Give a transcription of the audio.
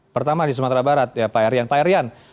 pertama di sumatera barat ya pak aryan pak aryan